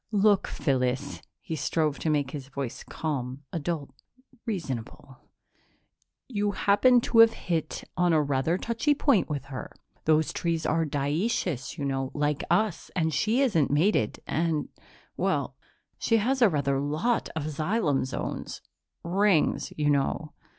"Look, Phyllis " he strove to make his voice calm, adult, reasonable "you happened to have hit on rather a touchy point with her. Those trees are dioecious, you know, like us, and she isn't mated. And, well, she has rather a lot of xylem zones rings, you know."